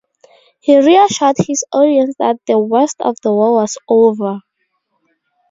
He reassured his audience that the worst of the war was over.